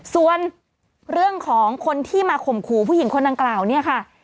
ส่วนเรื่องของคนที่มาข่มขู่ผู้หญิงคนดังกล่าวเนี่ยค่ะ